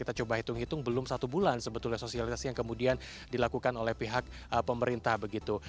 kita coba hitung hitung belum satu bulan sebetulnya sosialisasi yang kemudian dilakukan oleh pihak pemerintah begitu